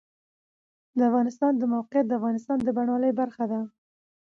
د افغانستان د موقعیت د افغانستان د بڼوالۍ برخه ده.